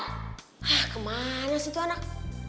ah ke mana situ anak